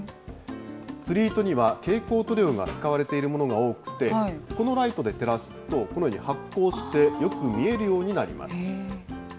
釣り糸には蛍光塗料が使われているものが多くて、このライトで照らすと、このように発光して、よく見えるようになります。